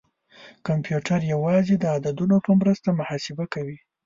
کمپیوټر یوازې د عددونو په مرسته محاسبه کوي.